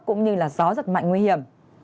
cũng như là gió rất mạnh nguy hiểm